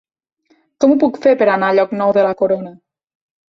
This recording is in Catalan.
Com ho puc fer per anar a Llocnou de la Corona?